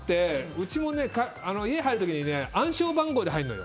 うち、家に入る時は暗証番号で入るのよ。